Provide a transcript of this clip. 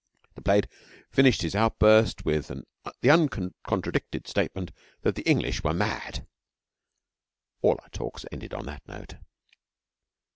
The plaid finished his outburst with the uncontradicted statement that the English were mad. All our talks ended on that note.